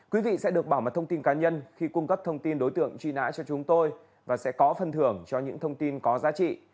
quý vị sẽ được bảo mật thông tin cá nhân khi cung cấp thông tin đối tượng truy nã cho chúng tôi và sẽ có phân thưởng cho những thông tin có giá trị